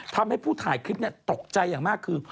ทำให้ผู้ถ่ายคลิปตกใจอย่างมากคือ